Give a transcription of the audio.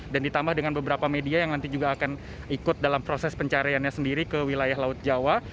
dan ditambah dengan beberapa media yang nanti juga akan ikut dalam proses pencariannya sendiri ke wilayah laut jawa